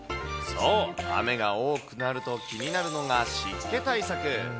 そう、雨が多くなると、気になるのが湿気対策。